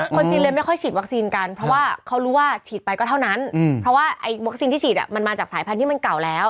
คนจีนเลยไม่ค่อยฉีดวัคซีนกันเพราะว่าเขารู้ว่าฉีดไปก็เท่านั้นเพราะว่าไอ้วัคซีนที่ฉีดมันมาจากสายพันธุ์มันเก่าแล้ว